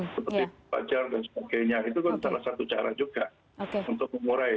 seperti wajar dan sebagainya itu kan salah satu cara juga untuk mengurai